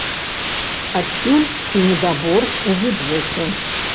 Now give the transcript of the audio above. Адсюль і недабор у бюджэце.